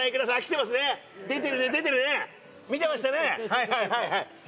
はいはいはいはい。